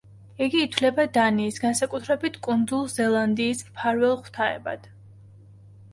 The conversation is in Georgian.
იგი ითვლება დანიის, განსაკუთრებით კუნძულ ზელანდიის მფარველ ღვთაებად.